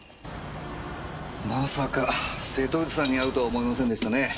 まさか瀬戸内さんに会うとは思いませんでしたね。